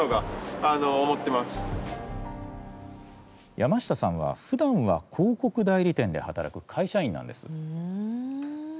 山下さんはふだんは広告代理店で働く会社員なんです。